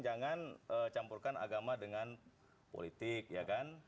jangan campurkan agama dengan politik ya kan